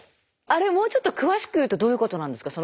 あれもうちょっと詳しく言うとどういうことなんですか？